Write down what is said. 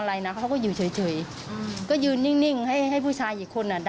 มันแค่ดี